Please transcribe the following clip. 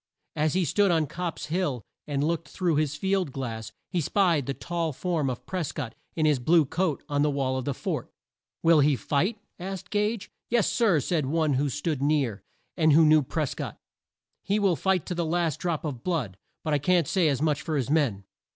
As he stood on Copp's Hill and looked through his field glass, he spied the tall form of Pres cott, in his blue coat, on the wall of the fort. "Will he fight?" asked Gage, "Yes, sir," said one who stood near, and who knew Pres cott. "He will fight to the last drop of blood; but I can't say as much for his men."